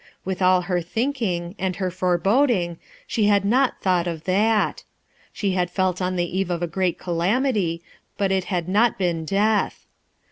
With all her thinking, and her foreboding, die had cot thought of that. She had felt on the eve of a great calamity, but it had not been death.